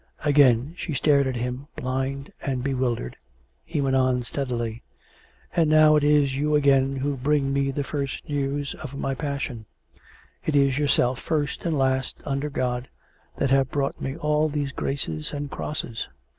Again she stared at him, blind and bewildered. He went on steadily: COME RACK! COME ROPE! 445 " And now it is you again who bring me the first news of my passion. It is yourself, first and last, under God, that have brought me all these graces and crosses.